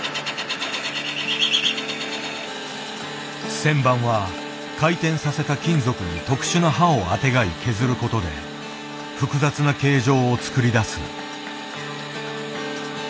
旋盤は回転させた金属に特殊な刃をあてがい削ることで複雑な形状を作り出す。